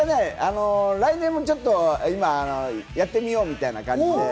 来年も、ちょっと今やってみようみたいな感じで。